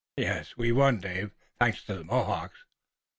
Yes, we've won, Dave, thanks to the Mohawks."